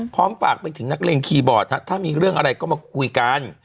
ฝากไปถึงนักเลงคีย์บอร์ดถ้ามีเรื่องอะไรก็มาคุยกัน